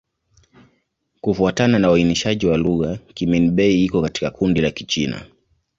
Kufuatana na uainishaji wa lugha, Kimin-Bei iko katika kundi la Kichina.